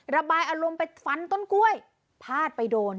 ระบายอารมณ์ไปฟันต้นกล้วยพาดไปโดน